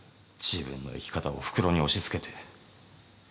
自分の生き方をおふくろに押し付けて。